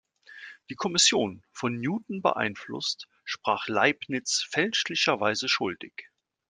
Die Kommission, von Newton beeinflusst, sprach Leibniz fälschlicherweise schuldig.